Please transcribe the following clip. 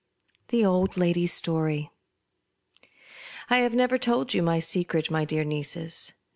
THE OLD LADY'S STORY. 1 HAVE never told you my secret, my dear nieces.